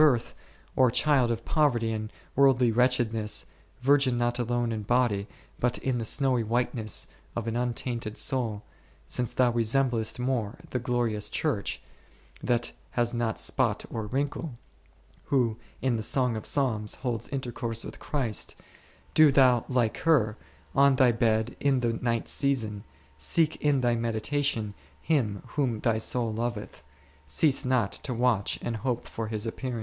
o —— o birth, or child of poverty and worldly wretchedness, virgin not alone in body but in the snowy whiteness of an untainted soul, since thou resemblest more the glorious Church, that has not spot or wrinkle, who, in the Song of Songs holds intercourse with Christ, do thou like her, on thy bed in the night season, seek in thy meditation Him whom thy soul loveth ; cease not to watch and hope for His appearing.